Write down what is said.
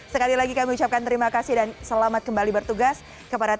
sekali lagi kami ucapkan terima kasih dan selamat kembali bersama kami di bukit jokowi